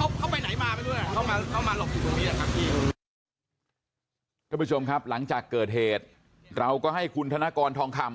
ค่ะพี่คุณผู้ชมครับหลังจากเกิดเหตุเราก็ให้คุณธนาคอร์นทองคำ